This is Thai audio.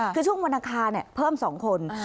คือช่วงวรรณคาเนี่ยเพิ่ม๒คน